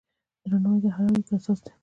درناوی د هرې اړیکې اساس دی.